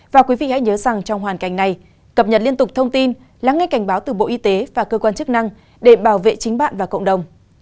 và quý vị hãy nhớ rằng trong hoàn cảnh này cập nhật liên tục thông tin lắng nghe cảnh báo từ bộ y tế và cơ quan chức năng để bảo vệ chính bạn và cộng đồng